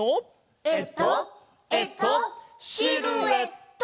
えっとえっとシルエット！